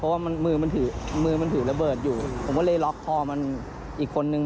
เพราะว่ามือมันถือระเบิดอยู่ผมก็เลยล็อกพ่อมันอีกคนนึง